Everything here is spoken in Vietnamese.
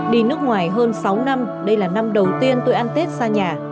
đi nước ngoài hơn sáu năm đây là năm đầu tiên tôi ăn tết xa nhà